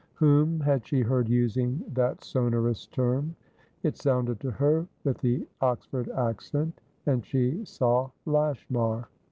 Whom had she heard using that sonorous term? It sounded to her with the Oxford accent, and she saw Lashmar.